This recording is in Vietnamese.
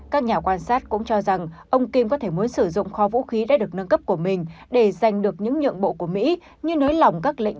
các nhà quan sát cũng cho rằng ông kim có thể muốn sử dụng kho vũ khí đã được nâng cấp của mình để giành được những nhượng bộ của mỹ như nới lỏng các lệnh